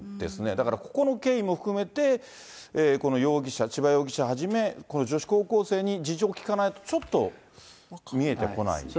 だからここの経緯も含めて、この容疑者、千葉容疑者はじめ、この女子高校生に事情を聞かないと、ちょっと見えてこないですね。